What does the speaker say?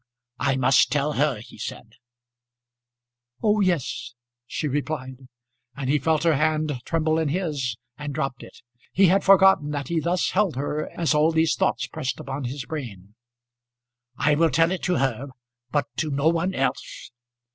"I must tell her," he said. "Oh yes," she replied; and he felt her hand tremble in his, and dropped it. He had forgotten that he thus held her as all these thoughts pressed upon his brain. "I will tell it to her, but to no one else.